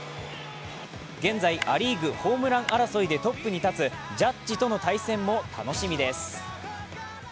現在、ア・リーグホームラン争いでトップに立つジャッジとの対戦も楽しみです。